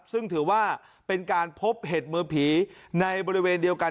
ซึ่งถือว่าเป็นการพบเห็ดมือผีในบริเวณเดียวกัน